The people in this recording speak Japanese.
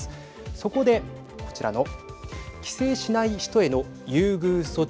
そこで、こちらの帰省しない人への優遇する措置。